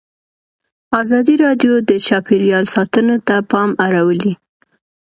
ازادي راډیو د چاپیریال ساتنه ته پام اړولی.